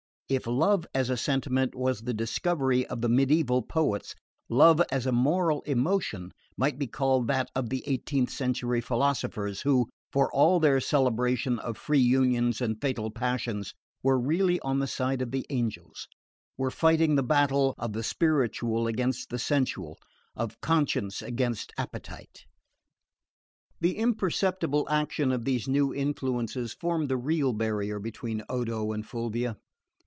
If love as a sentiment was the discovery of the medieval poets, love as a moral emotion might be called that of the eighteenth century philosophers, who, for all their celebration of free unions and fatal passions, were really on the side of the angels, were fighting the battle of the spiritual against the sensual, of conscience against appetite. The imperceptible action of these new influences formed the real barrier between Odo and Fulvia.